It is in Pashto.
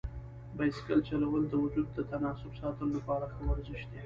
بایسکل چلول د وجود د تناسب ساتلو لپاره ښه ورزش دی.